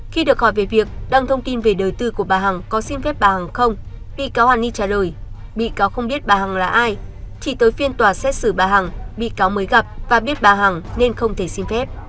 khi được hỏi về việc đăng thông tin về đời tư của bà hằng có xin phép bà hằng không bị cáo hàn ni trả lời bị cáo không biết bà hằng là ai chỉ tới phiên tòa xét xử bà hằng bị cáo mới gặp và biết bà hằng nên không thể xin phép